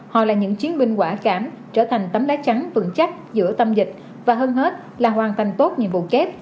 họ là những chiến binh quả cảm trở thành tấm lá chắn vững chắc giữa tâm dịch và hơn hết là hoàn thành tốt nhiệm vụ kép